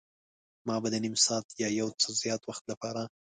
ما به د نیم ساعت یا یو څه زیات وخت لپاره.